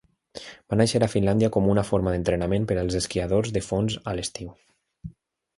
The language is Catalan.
Va néixer a Finlàndia com una forma d'entrenament per als esquiadors de fons a l'estiu.